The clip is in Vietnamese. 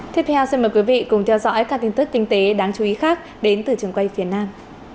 tiếp theo xin mời quý vị cùng theo dõi các tin tức kinh tế đáng chú ý khác đến từ trường quay phía nam